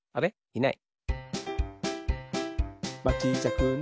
いない。